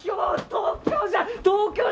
東京じゃ。